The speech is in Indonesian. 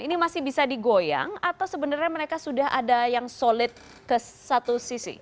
ini masih bisa digoyang atau sebenarnya mereka sudah ada yang solid ke satu sisi